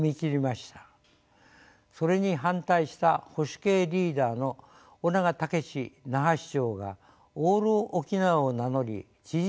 それに反対した保守系リーダーの翁長雄志那覇市長が「オール沖縄」を名乗り知事選に勝利。